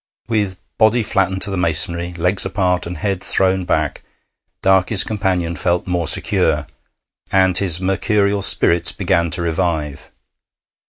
With body flattened to the masonry, legs apart, and head thrown back, Darkey's companion felt more secure, and his mercurial spirits began to revive.